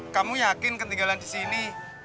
kamu yakin ketinggalan disini